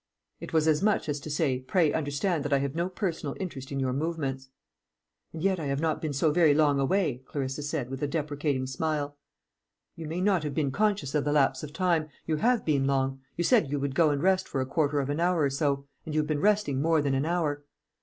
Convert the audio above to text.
It was as much as to say, Pray understand that I have no personal interest in your movements. "And yet I have not been so very long away," Clarissa said, with a deprecating smile. "You may not have been conscious of the lapse of time You have been long. You said you would go and rest for a quarter of an hour or so; and you have been resting more than an hour."